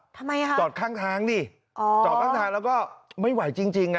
ทำไมคะจอดข้างทางดิจอดข้างทางแล้วก็ไม่ไหวจริงน่ะ